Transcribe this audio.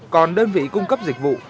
còn đơn vị cung cấp dịch vụ